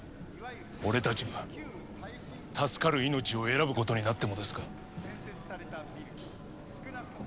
俺たちが助かる命を選ぶことになってもですか？